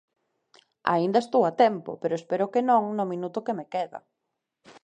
Aínda estou a tempo, pero espero que non no minuto que me queda.